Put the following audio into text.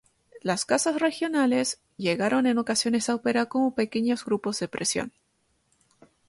Las casas regionales llegaron en ocasiones a operar como pequeños grupos de presión.